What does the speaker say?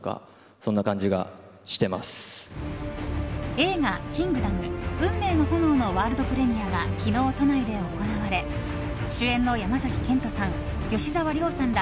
映画「キングダム運命の炎」のワールドプレミアが昨日、都内で行われ主演の山崎賢人さん吉沢亮さんら